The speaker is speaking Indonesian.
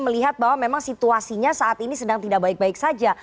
melihat bahwa memang situasinya saat ini sedang tidak baik baik saja